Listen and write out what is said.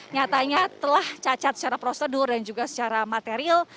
nyatanya telah cacat secara prosedur dan juga secara material